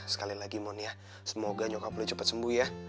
sekali lagi mon ya semoga nyokap lo cepet sembuh ya